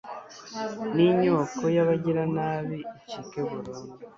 n'inyoko y'abagiranabi icike burundu